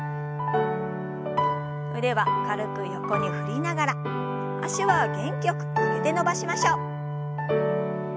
腕は軽く横に振りながら脚は元気よく曲げて伸ばしましょう。